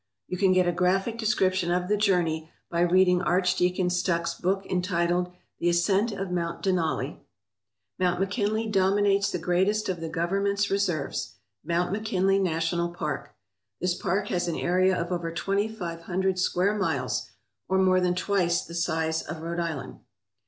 You can get a graphic description of the journey by reading Archdeacon Stuck's book entitled "The Ascent of Mount Denali." Mount McKinley dominates the greatest of the Govern ment's reserves, Mount McKinley National Park. This park has an area of over twenty five hundred square miles, or more than twice that of Rhode Island.